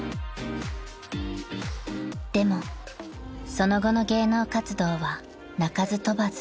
［でもその後の芸能活動は鳴かず飛ばず］